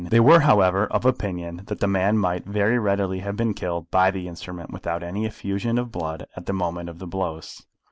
They were, however, of opinion that the man might very readily have been killed by the instrument without any effusion of blood at the moment of the blows.